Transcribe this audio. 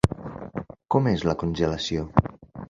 Com és la congelació?